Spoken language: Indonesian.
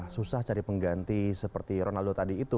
susah cari pengganti seperti ronaldo tadi itu